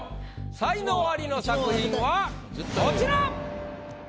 才能アリの作品はこちら！